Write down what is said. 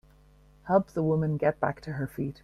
Help the woman get back to her feet.